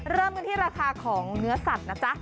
เริ่มกันที่ราคาของเนื้อสัตว์นะจ๊ะ